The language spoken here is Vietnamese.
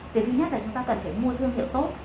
cái thứ nhất là chúng ta cần phải mua thương hiệu tốt